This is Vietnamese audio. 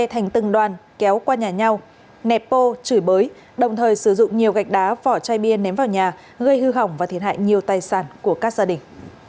thành từng đoàn kéo qua nhà nhau nẹp bô chửi bới đồng thời sử dụng nhiều gạch đá vỏ chai bia ném vào nhà gây hư hỏng và thiệt hại nhiều tài sản của các gia đình